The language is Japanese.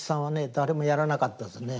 誰もやらなかったですね。